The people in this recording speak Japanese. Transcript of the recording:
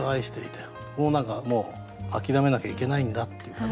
この何かもう諦めなきゃいけないんだっていうか